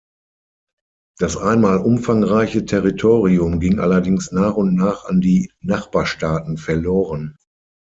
Das einmal umfangreiche Territorium ging allerdings nach und nach an die Nachbarstaaten verloren.